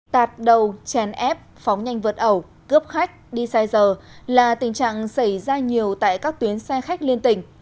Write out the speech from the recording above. tạt đầu chèn ép phóng nhanh vượt ẩu cướp khách đi sai giờ là tình trạng xảy ra nhiều tại các tuyến xe khách liên tỉnh